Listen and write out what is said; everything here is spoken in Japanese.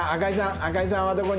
赤井さんはどこに？